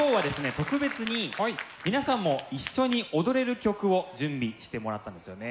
特別に皆さんも一緒に踊れる曲を準備してもらったんですよね。